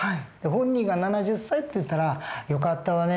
本人が「７０歳」って言ったら「よかったわね。